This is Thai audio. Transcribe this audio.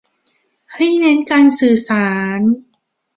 ให้เน้นการสื่อสาร